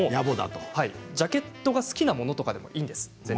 ジャケットが好きなものとかでもいいんです。